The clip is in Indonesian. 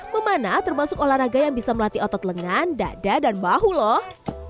memana termasuk olahraga yang bisa melatih otot lengan dada dan bahu loh